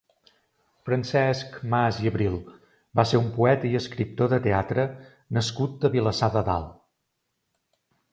Francesc Mas i Abril va ser un poeta i escriptor de teatre nascut a Vilassar de Dalt.